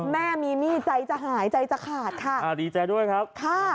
ดีใจด้วยครับ